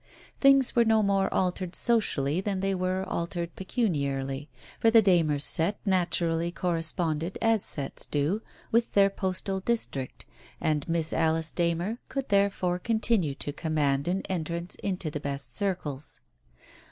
Things were no more altered socially than they were altered pecuniarily, for the Darners' set naturally corre sponded, as sets do, with their postal district, and Miss Alice Darner could therefore continue to command an entrance into the best circles.